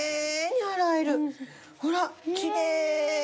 ほらきれいに。